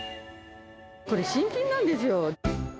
これ、新品なんですよ。